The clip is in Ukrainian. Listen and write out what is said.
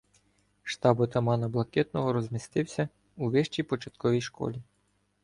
Штаб отамана Блакитного розмістився у вищій початковій школі.